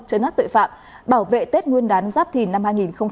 chấn áp tội phạm bảo vệ tết nguyên đán giáp thìn năm hai nghìn hai mươi bốn